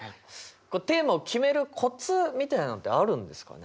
テーマを決めるコツみたいなのってあるんですかね？